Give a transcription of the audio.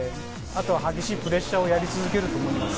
あとは激しいプレッシャーをやり続けると思います。